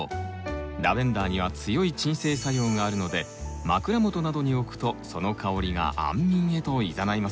ラベンダーには強い鎮静作用があるので枕元などに置くとその香りが安眠へと誘います。